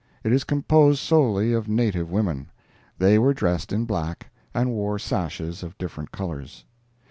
It is composed solely of native women. They were dressed in black, and wore sashes of different colors.